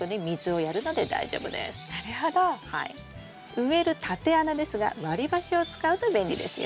植える縦穴ですが割り箸を使うと便利ですよ。